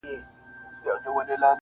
پوره کړی مي د سپي غریب وصیت دی,